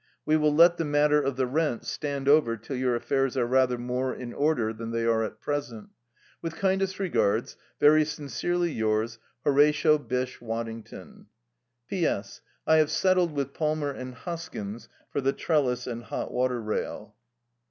We will let the matter of the rent stand over till your affairs are rather more in order than they are at present. With kindest regards, very sincerely yours, "HORATIO BYSSHE WADDINGTON. "P.S. I have settled with Palmer and Hoskins for the trellis and hot water rail."